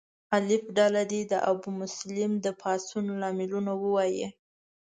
الف ډله دې د ابومسلم د پاڅون لاملونه ووایي.